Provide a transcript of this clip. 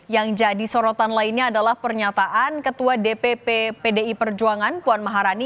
yang jadi sorotan lainnya adalah pernyataan ketua dpp pdi perjuangan puan maharani